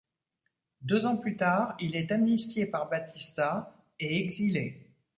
Deux ans plus tard, il est amnistié par Batista et exilé.